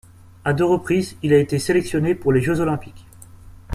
À deux reprises, il a été sélectionné pour les Jeux olympiques.